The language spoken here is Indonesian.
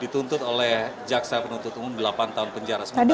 dituntut oleh jaksa penuntut umum delapan tahun penjara sementara